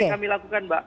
itu yang kami lakukan mbak